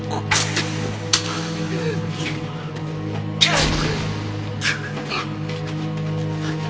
うっ！